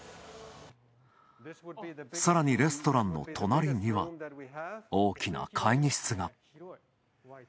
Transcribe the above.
さらにレストランの隣には、大きな会議室が。